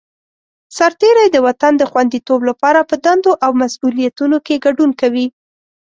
سرتېری د وطن د خوندیتوب لپاره په دندو او مسوولیتونو کې ګډون کوي.